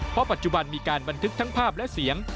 เพราะปัจจุบันมีการบันทึกทั้งภาพและเสียง